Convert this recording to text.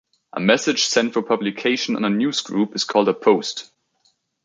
A message sent for publication on a newsgroup is called a "post".